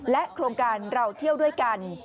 โครงการเราเที่ยวด้วยกัน